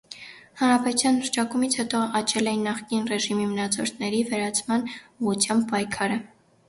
Հանրապետության հռչակումից հետո աճել էին նախկին ռեժիմի մնացորդների վերացման ուղղությամբ պայքարը։